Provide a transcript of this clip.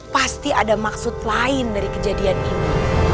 pasti ada maksud lain dari kejadian ini